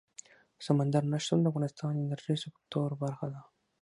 سمندر نه شتون د افغانستان د انرژۍ سکتور برخه ده.